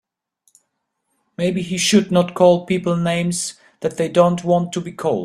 Maybe he should not call people names that they don't want to be called.